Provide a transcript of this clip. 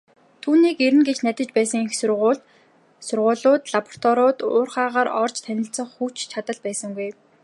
Түүнийг ирнэ гэж найдаж байсан их сургуулиуд, лабораториуд, уурхайгаар орж танилцах хүч чадал байсангүй.